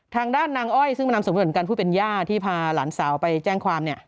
ทางด้านนางอ้อยซึ่งมานำสมมุติเหมือนกันผู้เป็นย่าที่พาหลานสาวไปแจ้งความ